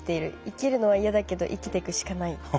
生きるのは嫌だけど生きていくしかない」。